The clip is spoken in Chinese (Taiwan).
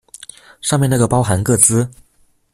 上面那個包含個資